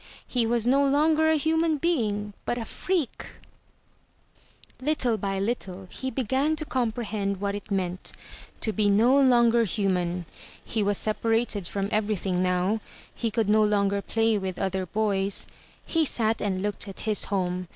He was no longer a himian being— but a freak. 420 THROUGH FAIRY HALLS Little by little he began to comprehend what it meant — to be no longer human. He was separated from everything now; he could no longer play with other boys. He sat and looked at his home.